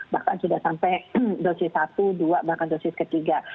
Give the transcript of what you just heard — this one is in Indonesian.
bahkan sudah sampai dosis satu dua bahkan dosis ketiga